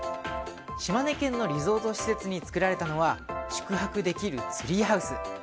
島根県のリゾート施設に作られたのは宿泊できるツリーハウス。